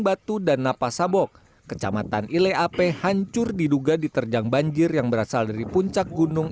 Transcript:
iatu dan napasabok kecamatan ileap hancur diduga diterjang banjir yang berasal dari puncak gunung